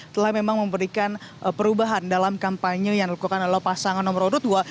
telah memang memberikan perubahan dalam kampanye yang dilakukan oleh pasangan nomor urut dua